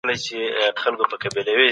تړاو چلند بدلوي.